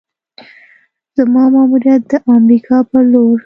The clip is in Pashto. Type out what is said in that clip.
زما ماموریت د امریکا پر لور: